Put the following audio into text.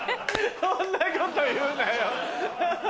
そんなこと言うなよ。